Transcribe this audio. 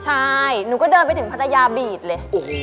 ใช่หนูก็เดินไปถึงภรรยาบีดเลย